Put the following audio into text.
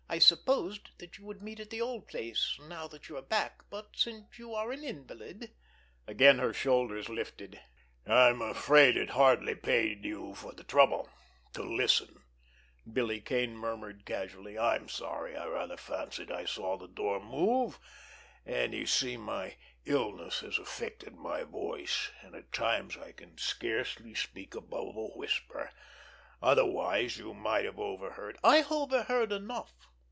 I supposed that you would meet at the old place, now that you are back; but since you are an invalid——" Again the shoulders lifted. "I am afraid it hardly paid you for the trouble—to listen," Billy Kane murmured caustically. "I'm sorry! I rather fancied I saw the door move, and you see, my illness has affected my voice, and at times I can scarcely speak above a whisper, otherwise you might have overheard——" "I overheard enough!"